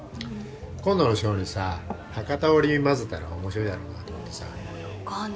今度のショーにさ博多織まぜたら面白いだろうなと思ってさよかね